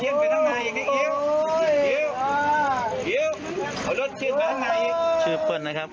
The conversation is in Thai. เฮียวเอารถชื่นมาด้านหน้าอีกชื่อเพื่อนนะครับ